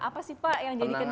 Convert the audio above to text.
apa sih pak yang jadi kendala